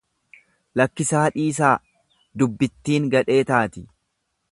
Lakkisaa dhiisaa, dubbittiin gadhee taati.